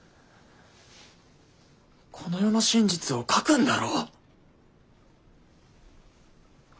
この世の真実を書くんだろ。